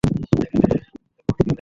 এখানে এবং এখানে।